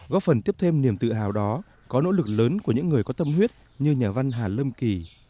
góp phần tiếp thêm niềm tự hào đó có nỗ lực lớn của những người có tâm huyết như nhà văn hà lâm kỳ